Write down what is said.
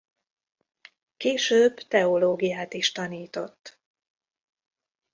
Később teológiát is tanított.